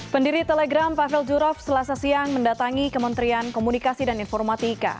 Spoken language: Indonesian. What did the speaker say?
pendiri telegram pavel durov selasa siang mendatangi kementerian komunikasi dan informatika